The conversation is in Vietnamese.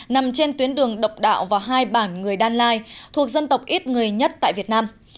nằm trên tuyến đường độc đạo và hai bản người đan lai thuộc dân tộc ít người nhất tại việt nam